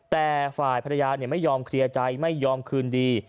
แต่ฝ่ายภรรยาไม่ยอมเคลียร์ใจไม่ยอมคืนดี